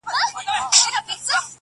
څه همت څه ارادې څه حوصلې سه,